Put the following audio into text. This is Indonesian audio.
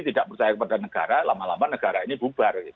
tidak percaya kepada negara lama lama negara ini bubar